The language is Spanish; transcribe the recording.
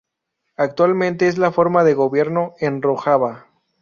Actualmente es la forma de gobierno en Rojava.